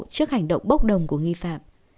trước hành động bốc đồng của nghi phạm